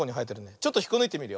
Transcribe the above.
ちょっとひっこぬいてみるよ。